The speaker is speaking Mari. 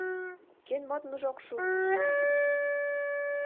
Кӧн модмыжо ок шу?